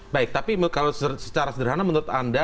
baik tapi kalau secara sederhana menurut anda